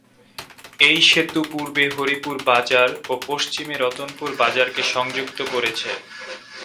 এই সেতু পূর্বে হরিপুর বাজার ও পশ্চিমে রতনপুর বাজারকে সংযুক্ত করেছে।